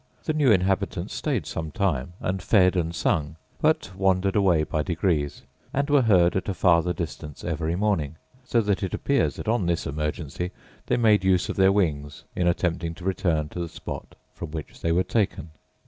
The new inhabitants stayed some time, and fed and sung; but wandered away by degrees, and were heard at a farther distance every morning; so that it appears that on this emergency they made use of their wings in attempting to return to the spot from which they were taken.